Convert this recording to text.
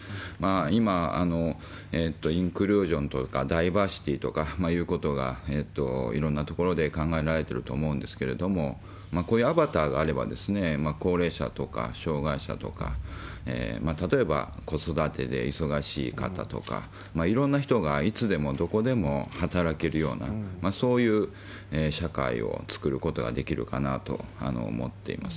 今、インクルージョンとかダイバーシティーということがいろんなところで考えられてると思うんですけれども、こういうアバターがあれば、高齢者とか障害者とか、例えば子育てで忙しい方とか、いろんな人がいつでもどこでも働けるような、そういう社会を作ることができるかなと思っています。